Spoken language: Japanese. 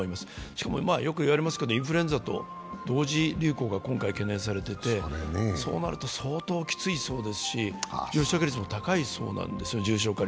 しかもよく言われますけど、インフルエンザと同時流行が今回、懸念されていてそうなると相当きついそうですし、重症化率も高いそうなんです。